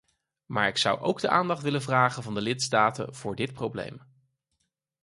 Maar ik zou ook de aandacht willen vragen van de lidstaten voor dit probleem.